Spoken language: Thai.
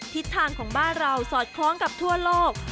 ทิศทางของบ้านเราสอดคล้องกับทั่วโลก